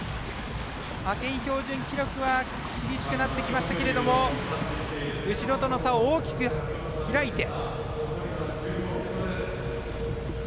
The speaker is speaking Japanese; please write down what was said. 派遣標準記録は厳しくなってきましたけれども後ろとの差、大きく開いて。